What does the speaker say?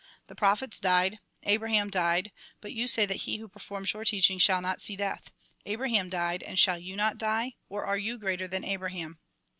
The prophets died, Abraham died ; but you say that he who performs your teiching shall not see death. Abraham died, and shall you not die ? Or are you greater than Abraham